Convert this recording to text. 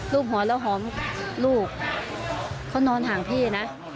บหัวแล้วหอมลูกเขานอนห่างพี่นะ